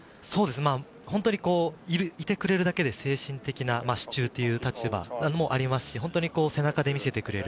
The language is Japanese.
本当にいてくれるだけで精神的な支柱という立場もありますし、本当に背中で見せてくれる。